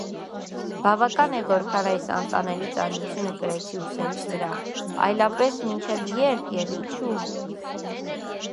Բավական է, որքան այս անտանելի ծանրությունը կրեցի ուսերիս վրա, այլապես՝ մինչև ե՞րբ և ինչո՞ւ…